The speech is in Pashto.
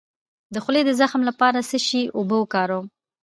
د خولې د زخم لپاره د څه شي اوبه وکاروم؟